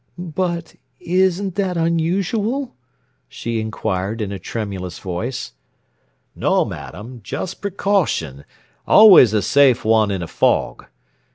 "But isn't that unusual!" she inquired in a tremulous voice. "No, madam, just precaution, and always a safe one in a fog.